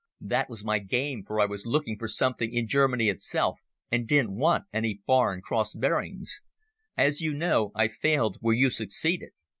That was my game, for I was looking for something in Germany itself, and didn't want any foreign cross bearings. As you know, I failed where you succeeded.